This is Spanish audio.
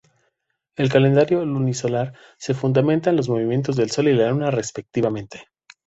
El calendario lunisolar se fundamenta en los movimientos del sol y la luna respectivamente.